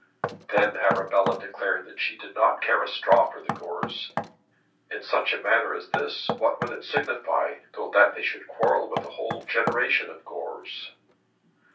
Then Arabella declared that she did not care a straw for the Gores. In such a matter as this what would it signify though they should quarrel with a whole generation of Gores?